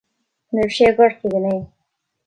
An raibh sé i gCorcaigh inné